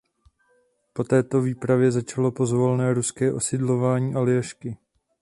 Po této výpravě začalo pozvolné ruské osidlování Aljašky.